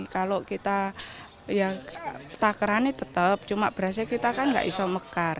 kalau kita takerannya tetap cuma berasnya kita kan gak bisa mekar